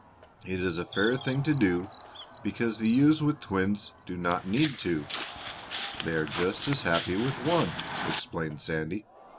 It is a fair thing to do because the ewes with twins do not need two. They are just as happy with one," explained Sandy.